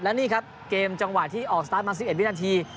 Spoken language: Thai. และนี่ครับเกมจังหวะที่ออกสตาร์ทมา๑๑วินาที